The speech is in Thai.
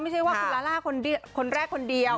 ไม่ใช่ว่าคุณลาล่าคนแรกคนเดียว